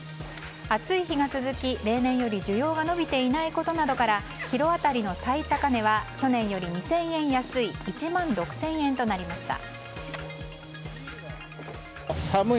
暑い日が続き例年より需要が伸びていないことなどからキロ当たりの最高値は去年より２０００円安い１万６０００円となりました。